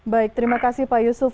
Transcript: baik terima kasih pak yusuf